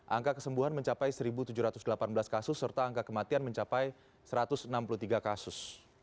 angka kesembuhan mencapai satu tujuh ratus delapan belas kasus serta angka kematian mencapai satu ratus enam puluh tiga kasus